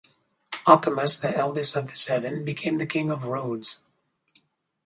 Ochimus, the eldest of the seven, became the king of Rhodes.